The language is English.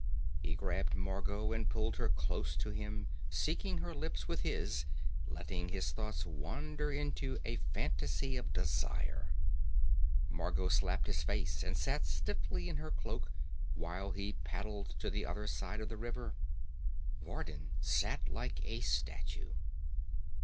He grabbed Margot and pulled her close to him, seeking her lips with his, letting his thoughts wander into a fantasy of desire. Margot slapped his face and sat stiffly in her cloak while he paddled to the other side of the river. Vardin sat like a statue.